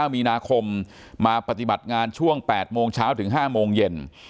มีนาคมมาปฏิบัติงานช่วง๘โมงเช้าถึง๕โมงเย็น